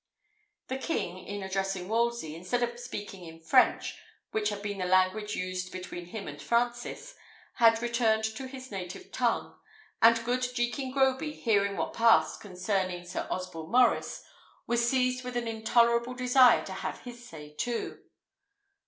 The king, in addressing Wolsey, instead of speaking in French, which had been the language used between him and Francis, had returned to his native tongue; and good Jekin Groby, hearing what passed concerning Sir Osborne Maurice, was seized with an intolerable desire to have his say too.